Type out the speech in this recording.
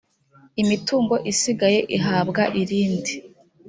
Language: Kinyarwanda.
imitungo isigaye ihabwa irindi